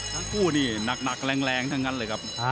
ทั้งคู่นี่หนักแรงทั้งนั้นเลยครับ